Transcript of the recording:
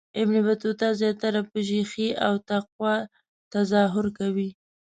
ابن بطوطه زیاتره په شیخی او تقوا تظاهر کوي.